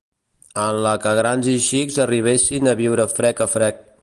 ...en la que grans i xics arribessin a viure frec a frec